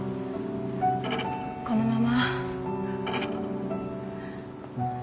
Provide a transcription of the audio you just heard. このまま。